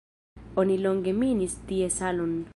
Oni longe minis tie salon.